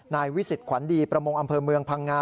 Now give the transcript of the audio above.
วิสิตขวัญดีประมงอำเภอเมืองพังงา